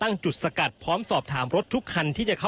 อันนี้คือเต็มร้อยเป็นเต็มร้อยเปอร์เซ็นต์แล้วนะครับ